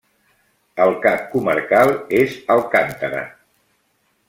El cap comarcal és Alcántara.